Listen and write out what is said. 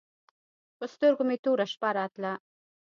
پر سترګو مې توره شپه راتله.